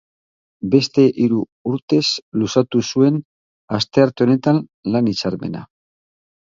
Beste hiru urtez luzatu zuen astearte honetan lan hitzarmena.